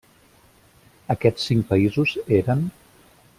Aquests cinc països eren: